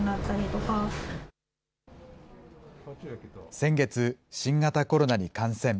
先月、新型コロナに感染。